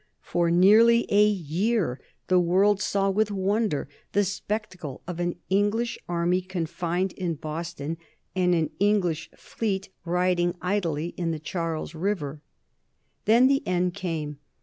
For nearly a year the world saw with wonder the spectacle of an English army confined in Boston, and an English fleet riding idly in the Charles River. Then the end came.